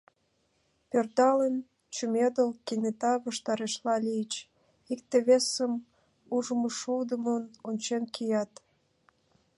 Пӧрдалын, чумедыл, кенета ваштарешла лийыч, икте-весым ужмышудымын ончен кият.